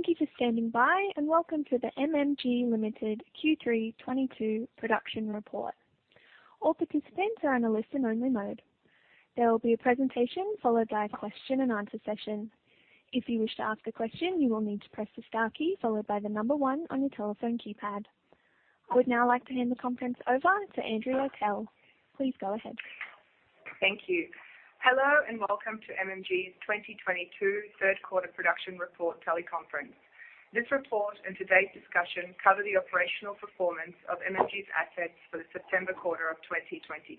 Thank you for standing by, and welcome to the MMG Limited Q3 2022 production report. All participants are on a listen only mode. There will be a presentation followed by a question-and-answer session. If you wish to ask a question, you will need to press the star key followed by the number one on your telephone keypad. I would now like to hand the conference over to Andrea Atell. Please go ahead. Thank you. Hello, and welcome to MMG's 2022 third quarter production report teleconference. This report and today's discussion cover the operational performance of MMG's assets for the September quarter of 2022.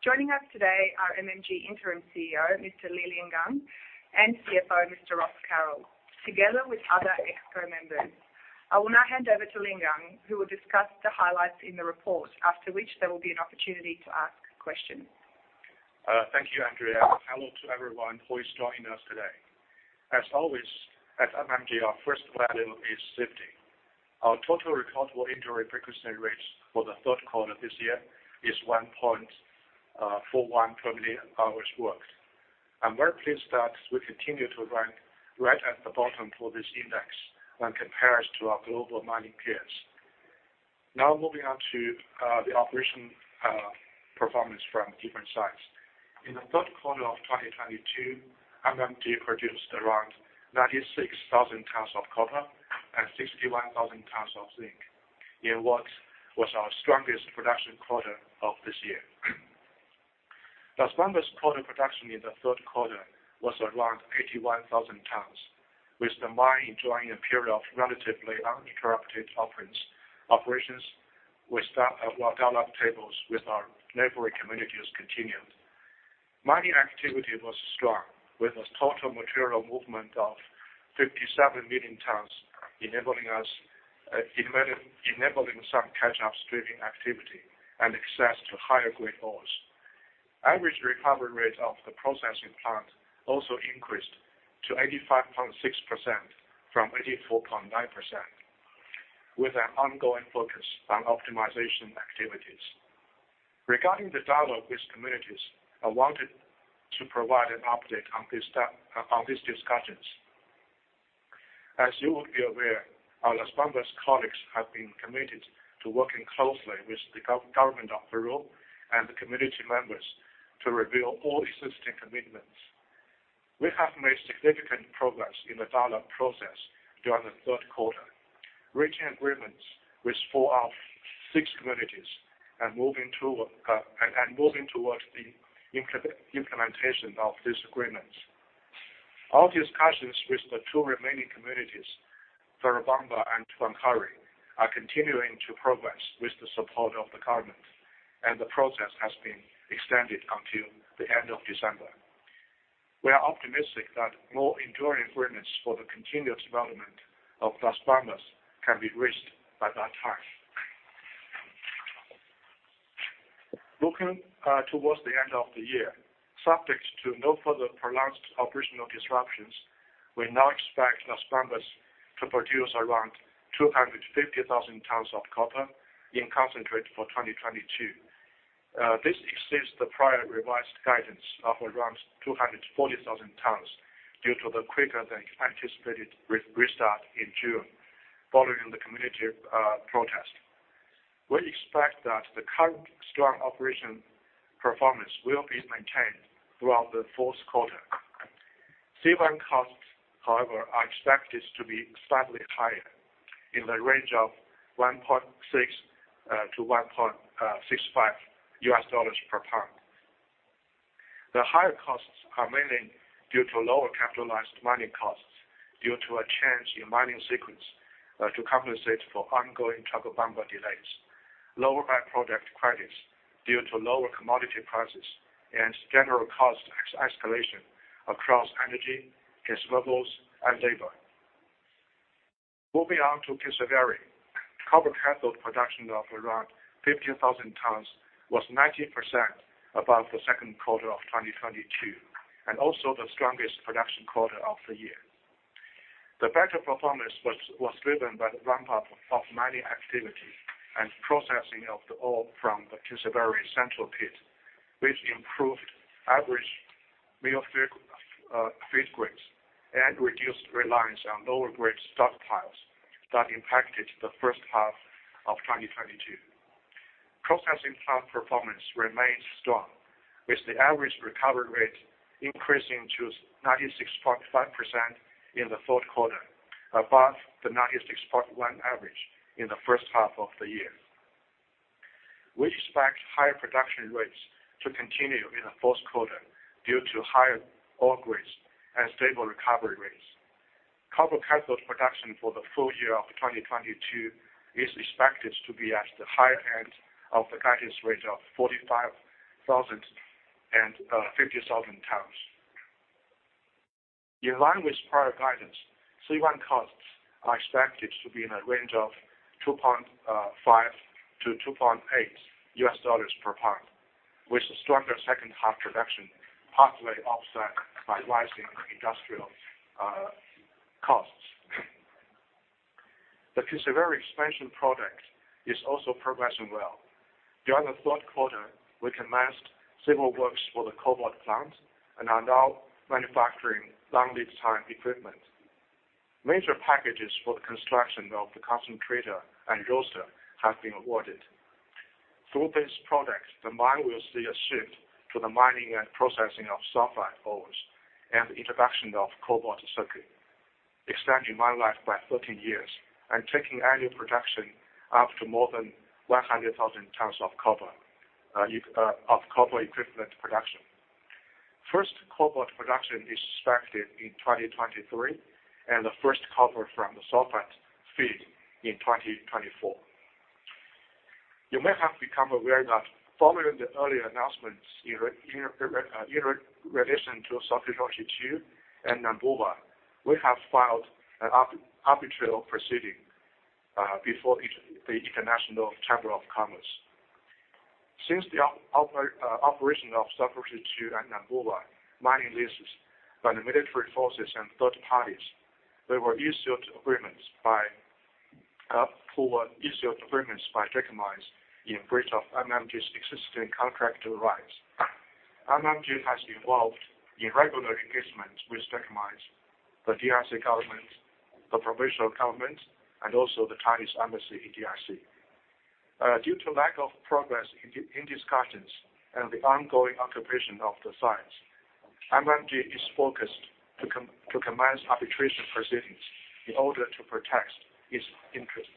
Joining us today are MMG Interim CEO, Mr. Liangang Li, and CFO, Mr. Ross Carroll, together with other Exco members. I will now hand over to Liangang, who will discuss the highlights in the report, after which there will be an opportunity to ask questions. Thank you, Andrea. Hello to everyone who is joining us today. As always, at MMG, our first value is safety. Our Total Recordable Injury Frequency Rate for the third quarter this year is 1.41 per million hours worked. I'm very pleased that we continue to rank right at the bottom for this index when compared to our global mining peers. Now moving on to the operation performance from different sites. In the third quarter of 2022, MMG produced around 96,000 tons of copper and 61,000 tons of zinc, in what was our strongest production quarter of this year. Las Bambas quarter production in the third quarter was around 81,000 tons, with the mine enjoying a period of relatively uninterrupted operations while dialogue tables with our neighboring communities continued. Mining activity was strong, with a total material movement of 57 million tons, enabling us enabling some catch-up stripping activity and access to higher grade ores. Average recovery rate of the processing plant also increased to 85.6% from 84.9%, with an ongoing focus on optimization activities. Regarding the dialogue with communities, I wanted to provide an update on these discussions. As you would be aware, our Las Bambas colleagues have been committed to working closely with the government of Peru and the community members to reveal all existing commitments. We have made significant progress in the dialogue process during the third quarter, reaching agreements with four of six communities and moving towards the implementation of these agreements. Our discussions with the two remaining communities, Chorobamba and Huancuire, are continuing to progress with the support of the government, and the process has been extended until the end of December. We are optimistic that more enduring agreements for the continuous development of Las Bambas can be reached by that time. Looking towards the end of the year, subject to no further prolonged operational disruptions, we now expect Las Bambas to produce around 250,000 tons of copper in concentrate for 2022. This exceeds the prior revised guidance of around 240,000 tons due to the quicker than anticipated restart in June, following the community protest. We expect that the current strong operational performance will be maintained throughout the fourth quarter. C1 costs, however, are expected to be slightly higher in the range of $1.6-$1.65 per pound. The higher costs are mainly due to lower capitalized mining costs due to a change in mining sequence to compensate for ongoing Chorobamba delays, lower by-product credits due to lower commodity prices and general cost escalation across energy, consumables and labor. Moving on to Kinsevere. Copper cathode production of around 15,000 tons was 19% above the second quarter of 2022, and also the strongest production quarter of the year. The better performance was driven by the ramp up of mining activity and processing of the ore from the Kinsevere Central Pit, which improved average mill feed grades and reduced reliance on lower grade stockpiles that impacted the first half of 2022. Processing plant performance remains strong, with the average recovery rate increasing to 96.5% in the third quarter, above the 96.1% average in the first half of the year. We expect higher production rates to continue in the fourth quarter due to higher ore grades and stable recovery rates. Copper cathode production for the full year of 2022 is expected to be at the higher end of the guidance range of 45,000-50,000 tons. In line with prior guidance, C1 costs are expected to be in a range of $2.5-$2.8 per pound, with a stronger second half production partly offset by rising industrial costs. The Kinsevere Expansion Project is also progressing well. During the third quarter, we commenced civil works for the cobalt plant and are now manufacturing long lead time equipment. Major packages for the construction of the concentrator and roaster have been awarded. Through these projects, the mine will see a shift to the mining and processing of sulfide ores and the introduction of cobalt circuit, extending mine life by 13 years and taking annual production up to more than 100,000 tons of copper equivalent production. First cobalt production is expected in 2023, and the first copper from the sulfide feed in 2024. You may have become aware that following the earlier announcements in relation to Safi 2 and Nambulwa, we have filed an arbitral proceeding before the International Chamber of Commerce. Since the operation of Safi 2 and Nambua mining leases by the military forces and third parties, there were issued agreements by Gécamines in breach of MMG's existing contract rights. MMG has been involved in regular engagements with Gécamines, the DRC government, the provincial government, and also the Chinese Embassy in the DRC. Due to lack of progress in discussions and the ongoing occupation of the sites, MMG is focused to commence arbitration proceedings in order to protect its interest.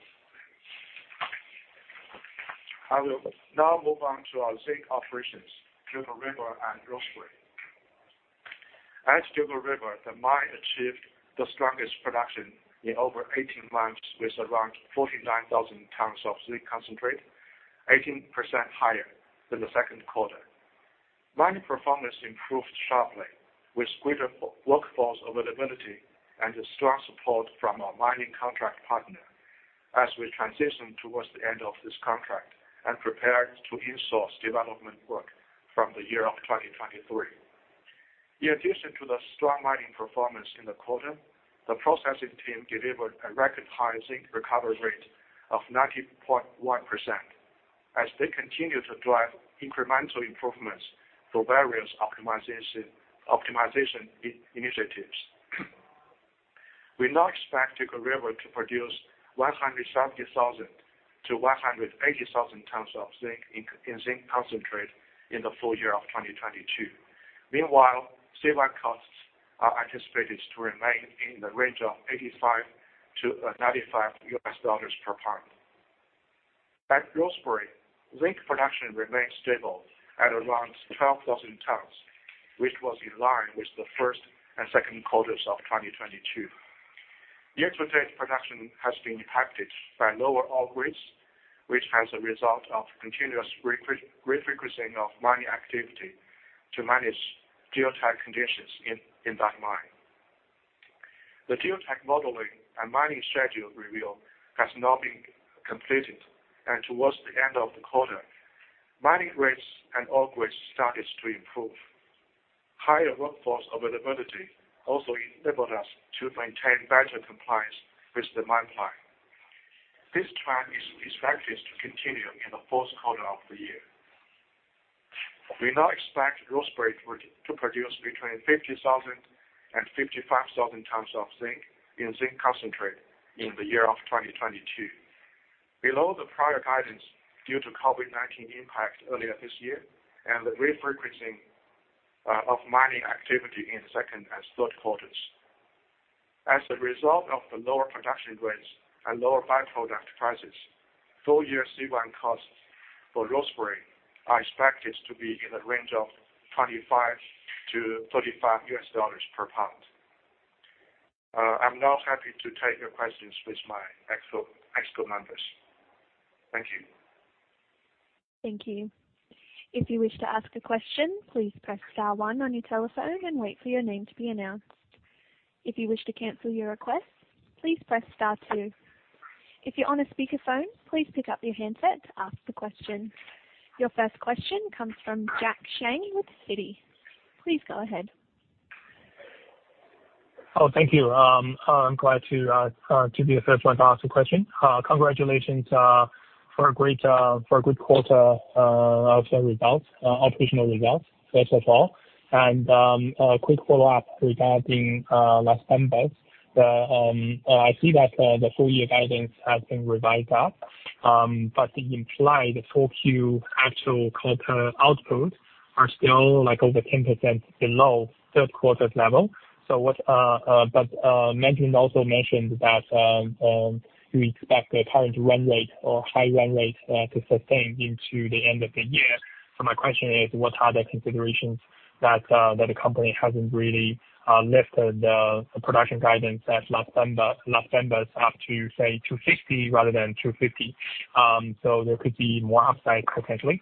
I will now move on to our zinc operations, Dugald River and Rosebery. At Dugald River, the mine achieved the strongest production in over 18 months with around 49,000 tons of zinc concentrate, 18% higher than the second quarter. Mining performance improved sharply with greater full workforce availability and the strong support from our mining contract partner as we transition towards the end of this contract and prepare to in-source development work from 2023. In addition to the strong mining performance in the quarter, the processing team delivered a record high zinc recovery rate of 90.1% as they continue to drive incremental improvements through various optimization initiatives. We now expect Dugald River to produce 170,000-180,000 tons of zinc in zinc concentrate in the full-year of 2022. Meanwhile, C1 costs are anticipated to remain in the range of $85-$95 per pound. At Rosebery, zinc production remained stable at around 12,000 tons, which was in line with the first and second quarters of 2022. Year-to-date production has been impacted by lower ore grades, which is a result of continuous resequencing of mining activity to manage geotech conditions in that mine. The geotech modeling and mining schedule review has now been completed, and towards the end of the quarter, mining rates and ore grades started to improve. Higher workforce availability also enabled us to mantain better compliance with the mine plan. This trend is expected to continue in the fourth quarter of the year. We now expect Rosebery to produce between 50,000 and 55,000 tons of zinc in zinc concentrate in the year 2022. Below the prior guidance due to COVID-19 impact earlier this year and the resequencing of mining activity in the second and third quarters. As a result of the lower production rates and lower by-product prices, full-year C1 costs for Rosebery are expected to be in the range of $25-$35 per pound. I'm now happy to take your questions with my exco members. Thank you. Thank you. If you wish to ask a question, please press star one on your telephone and wait for your name to be announced. If you wish to cancel your request, please press star two. If you're on a speakerphone, please pick up your handset to ask the question. Your first question comes from Jack Shang with Citi. Please go ahead. Oh, thank you. I'm glad to be the first one to ask a question. Congratulations for a good quarter of the operational results, first of all. A quick follow-up regarding Las Bambas. I see that the full year guidance has been revised up, but it implied the full Q actual quarter outputs are still like over 10% below third quarter's level. Management also mentioned that we expect the current run rate or high run rate to sustain into the end of the year. My question is, what are the considerations that the company hasn't really lifted the production guidance as last mentioned up to say 250 rather than 250? There could be more upside potentially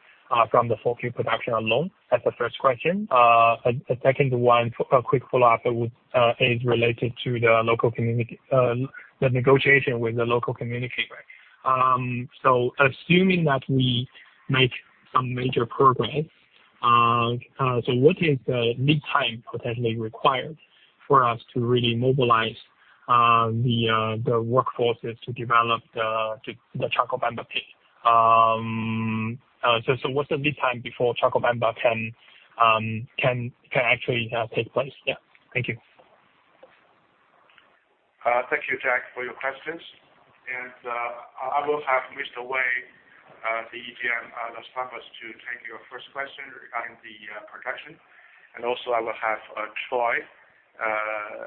from the full Q production alone. That's the first question. A second one, a quick follow-up is related to the negotiation with the local community, right? Assuming that we make some major progress, what is the lead time potentially required for us to really mobilize the workforces to develop the Chorobamba pit? What's the lead time before Chorobamba can actually take place? Yeah. Thank you. Thank you, Jack, for your questions. I will have Jianxian Wei, the GM, Las Bambas, to take your first question regarding the production. I will have Troy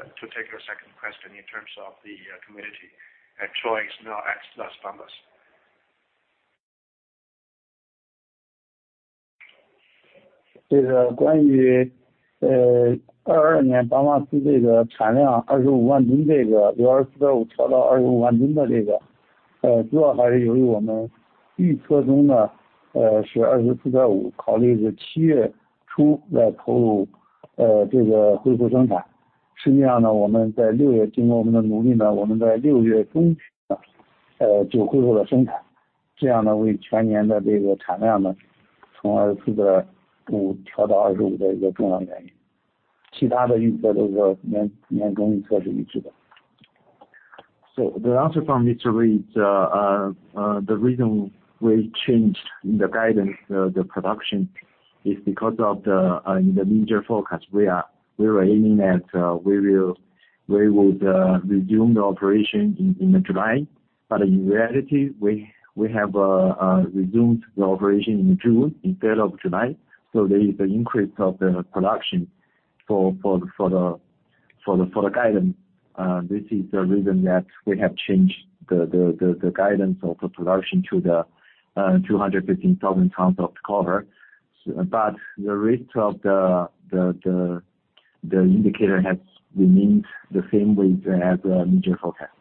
to take your second question in terms of the community. Troy is now ex-Las Bambas. The answer from Jianxian Wei is the reason we changed the guidance the production is because of the in the major forecast we were aiming to resume the operation in July. In reality, we have resumed the operation in June instead of July. There is an increase of the production for the guidance. This is the reason that we have changed the guidance of the production to the 215,000 tons of copper. The rest of the indicator has remained the same way as major forecast.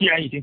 Okay.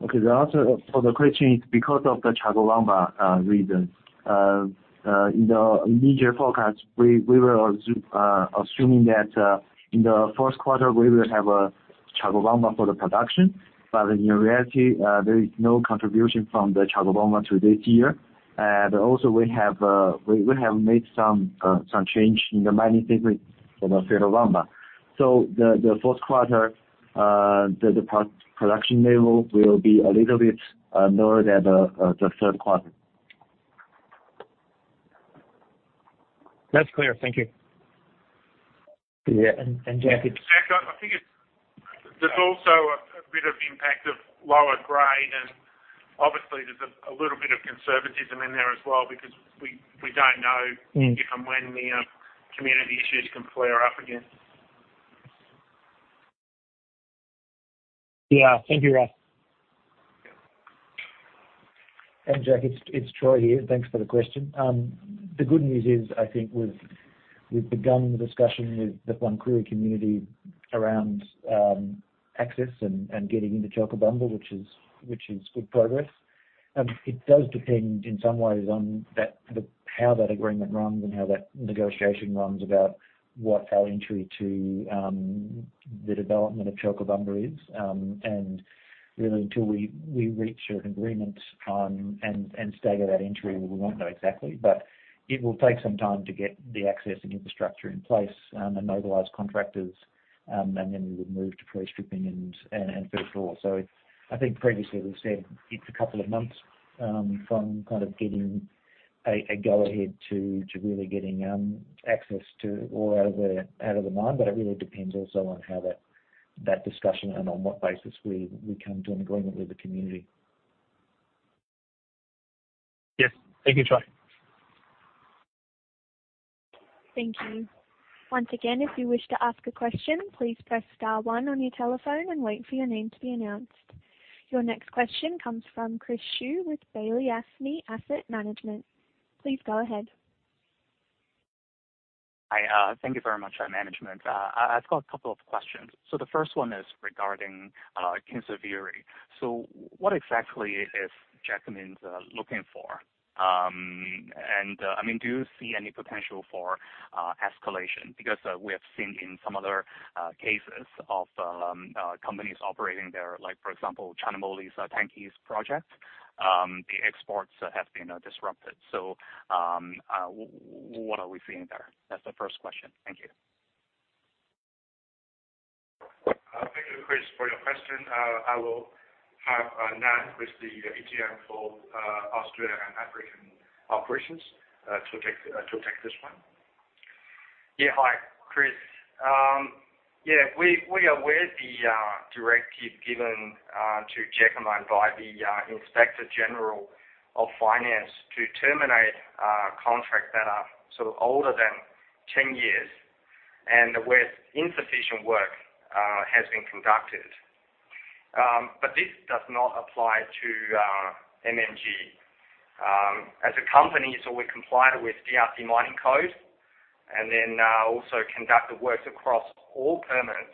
The answer for the question is because of the Chorobamba reason. In the major forecast, we were assuming that in the first quarter, we will have Chorobamba for the production. In reality, there is no contribution from the Chorobamba to this year. Also, we have made some change in the mining sequence for the Chorobamba. The first quarter production level will be a little bit lower than the third quarter. That's clear. Thank you. Yeah. Jack- Yeah. Jack, I think it's, there's also a bit of impact of lower grade, and obviously there's a little bit of conservatism in there as well because we don't know. when the community issues can flare up again. Yeah. Thank you, Ross. Yeah. Jack, it's Troy here. Thanks for the question. The good news is, I think we've begun the discussion with the Von Kruer community around access and getting into Chorobamba, which is good progress. It does depend in some ways on that, how that agreement runs and how that negotiation runs about what our entry to the development of Chorobamba is. Really until we reach an agreement on the state of that entry, we won't know exactly. It will take some time to get the access and infrastructure in place and mobilize contractors and then we would move to pre-stripping and first of all. I think previously we said it's a couple of months from kind of getting a go ahead to really getting access to or out of the mine, but it really depends also on how that discussion and on what basis we come to an agreement with the community. Yes. Thank you, Troy. Thank you. Once again, if you wish to ask a question, please press star one on your telephone and wait for your name to be announced. Your next question comes from Chris Shiu with Baillie Gifford Asset Management. Please go ahead. Hi. Thank you very much management. I've got a couple of questions. The first one is regarding Kinsevere. What exactly is Gécamines looking for? I mean, do you see any potential for escalation? Because we have seen in some other cases of companies operating there, like, for example, China Moly's Tankes project, the exports have been disrupted. What are we seeing there? That's the first question. Thank you. I will have Nan with the GM for Australia and Africa operations to take this one. Yeah. Hi, Chris. Yeah, we are aware of the directive given to Gécamines by the Inspection Générale des Finances to terminate contracts that are sort of older than 10 years and where insufficient work has been conducted. But this does not apply to MMG. As a company, so we comply with DRC Mining Code and then also conduct the works across all permits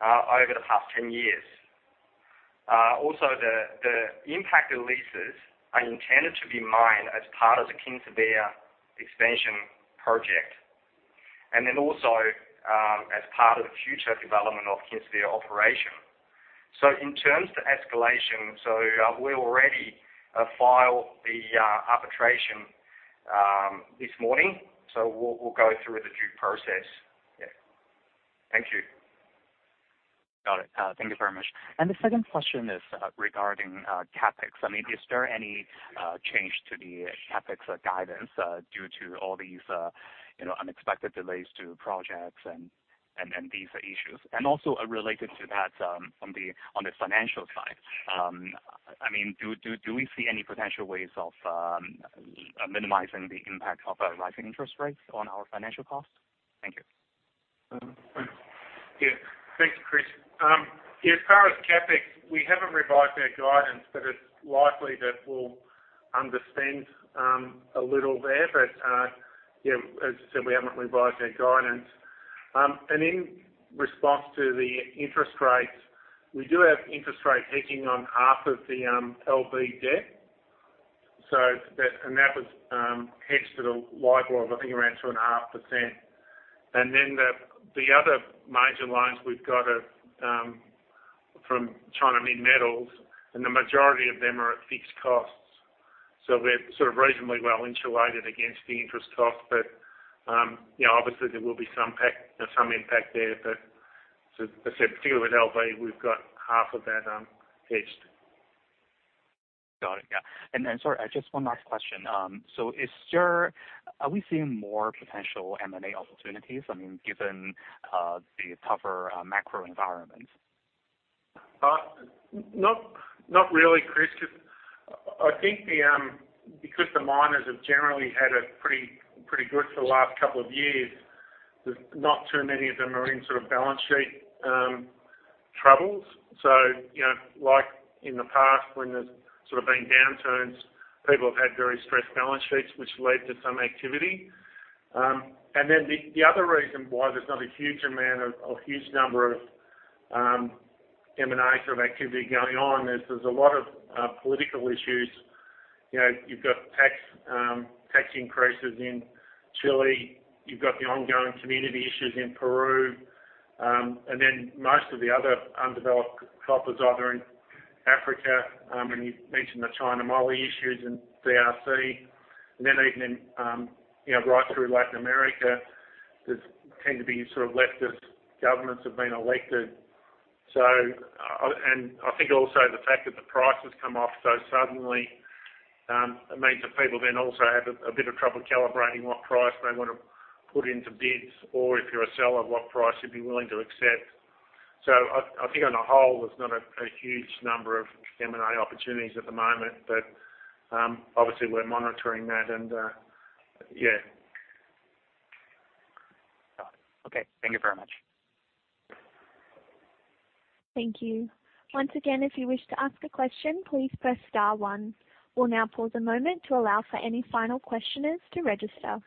over the past 10 years. Also the impacted leases are intended to be mined as part of the Kinsevere Expansion Project and then also as part of the future development of Kinsevere operation. In terms of escalation, we already file the arbitration this morning. We'll go through the due process. Yeah. Thank you. Got it. Thank you very much. The second question is, regarding CapEx. I mean, is there any change to the CapEx guidance due to all these, you know, unexpected delays to projects and these issues? Also related to that, on the financial side, I mean, do we see any potential ways of minimizing the impact of our rising interest rates on our financial costs? Thank you. Yeah. Thank you, Chris. As far as CapEx, we haven't revised our guidance, but it's likely that we'll underspend a little there. Yeah, as I said, we haven't revised our guidance. In response to the interest rates, we do have interest rate hedging on half of the LB debt. That was hedged at a LIBOR, I think around 2.5%. The other major loans we've got are from China Minmetals, and the majority of them are at fixed rates. We're sort of reasonably well insulated against the interest cost. You know, obviously there will be some impact there. As I said, particularly with LB, we've got half of that hedged. Got it. Yeah. Sorry, just one last question. Are we seeing more potential M&A opportunities, I mean, given the tougher macro environment? Not really, Chris, because the miners have generally had it pretty good for the last couple of years. There's not too many of them are in sort of balance sheet troubles. You know, like in the past when there's sort of been downturns, people have had very stressed balance sheets which lead to some activity. The other reason why there's not a huge amount of, or huge number of, M&A sort of activity going on is there's a lot of political issues. You know, you've got tax increases in Chile. You've got the ongoing community issues in Peru. Most of the other undeveloped copper is either in Africa, and you've mentioned the China Moly issues and DRC. Even in, you know, right through Latin America, there's tended to be sort of leftist governments have been elected. I think also the fact that the price has come off so suddenly, it means that people then also have a bit of trouble calibrating what price they want to put into bids or if you're a seller, what price you'd be willing to accept. I think on the whole, there's not a huge number of M&A opportunities at the moment. Obviously we're monitoring that and, yeah. Got it. Okay. Thank you very much. Thank you. Once again, if you wish to ask a question, please press star one. We'll now pause a moment to allow for any final questioners to register.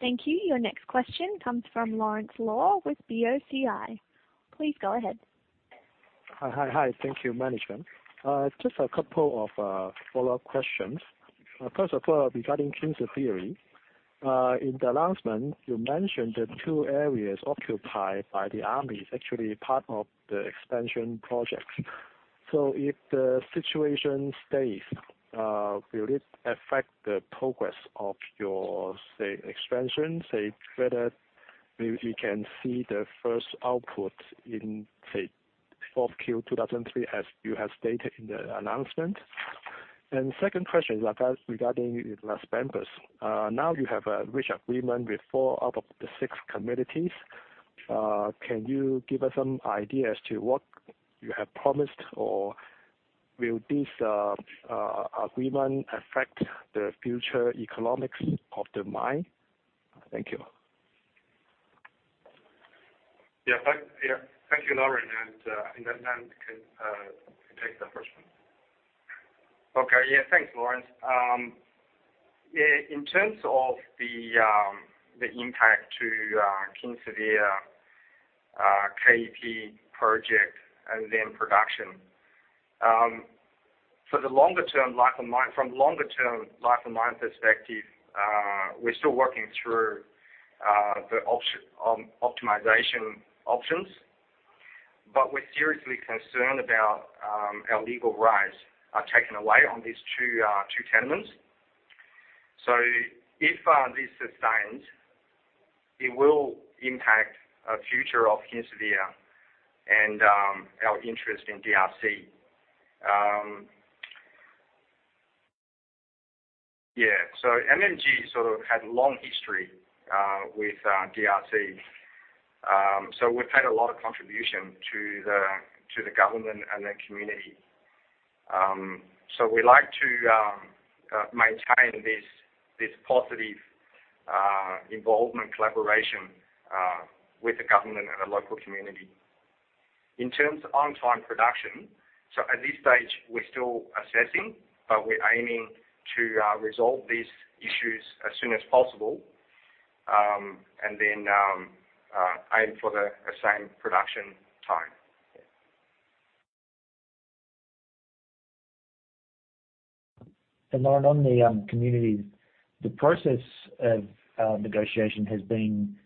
Thank you. Your next question comes from Lawrence Lau with BOCI. Please go ahead. Thank you, management. Just a couple of follow-up questions. First of all, regarding Kinsevere. In the announcement, you mentioned the two areas occupied by the army is actually part of the expansion projects. If the situation stays, will it affect the progress of your, say, expansion? Say, whether we can see the first output in, say, fourth Q 2023 as you have stated in the announcement. Second question is about regarding Las Bambas. Now you have reached agreement with four out of the six communities. Can you give us some idea as to what you have promised or will this agreement affect the future economics of the mine? Thank you. Yeah. Thank you, Lawrence. Nan can take the first one. Okay. Yeah. Thanks, Lawrence. Yeah, in terms of the impact to Kinsevere, KEP project and then production. The longer-term life of mine from longer term life of mine perspective, we're still working through the optimization options. But we're seriously concerned about our legal rights are taken away on these two tenements. If this sustains, it will impact the future of Kinsevere and our interest in DRC. Yeah. MMG sort of had a long history with DRC. We've had a lot of contribution to the government and the community. We like to maintain this positive involvement, collaboration with the government and the local community. In terms of on-time production, so at this stage, we're still assessing, but we're aiming to resolve these issues as soon as possible, and then aim for the assigned production time. Yeah. Lawrence, on the communities, the process of negotiation has been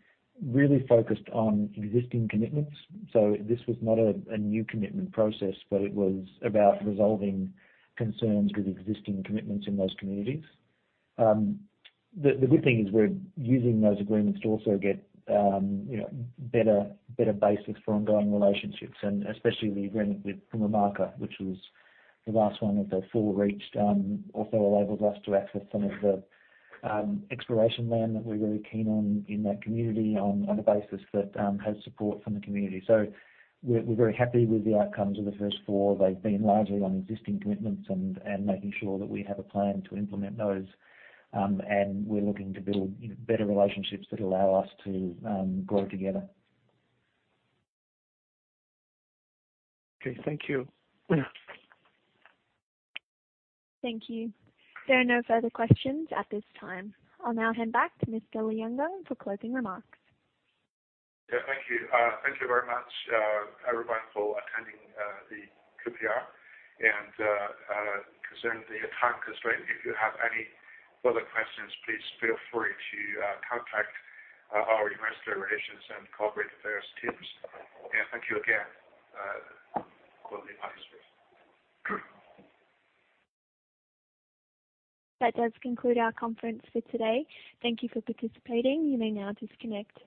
really focused on existing commitments. This was not a new commitment process, but it was about resolving concerns with existing commitments in those communities. The good thing is we're using those agreements to also get you know, better basics for ongoing relationships, and especially the agreement with Pumamarca, which was the last one of the four reached, also enables us to access some of the exploration land that we're really keen on in that community on a basis that has support from the community. We're very happy with the outcomes of the first four. They've been largely on existing commitments and making sure that we have a plan to implement those. We're looking to build better relationships that allow us to grow together. Okay, thank you. Thank you. There are no further questions at this time. I'll now hand back to Mr. Liangang Li for closing remarks. Yeah, thank you. Thank you very much, everyone for attending the QPR. Concerning the time constraint, if you have any further questions, please feel free to contact our investor relations and corporate affairs teams. Thank you again for the participants. That does conclude our conference for today. Thank you for participating. You may now disconnect.